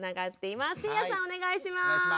お願いします。